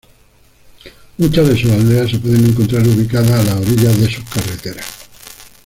Muchas de sus aldeas se pueden encontrar ubicadas a las orillas sus carreteras.